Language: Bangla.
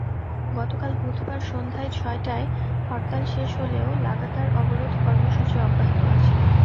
গতকাল বুধবার সন্ধ্যায় ছয়টায় হরতাল শেষ হলেও লাগাতার অবরোধ কর্মসূচি অব্যাহত আছে।